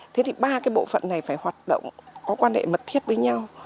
thế thì ba cái bộ phận này phải hoạt động có quan hệ mật thiết với nhau